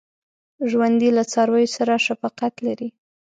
ژوندي له څارویو سره شفقت لري